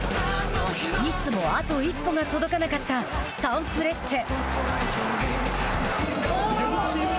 いつもあと一歩が届かなかったサンフレッチェ。